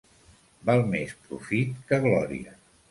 Val més profit que glòria.